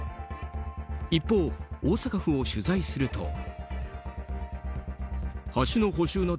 一方、大阪府を取材すると。